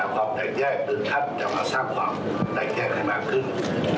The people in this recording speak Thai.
ความแตกแยกหรือท่านจะมาสร้างความแตกแยกให้มากขึ้น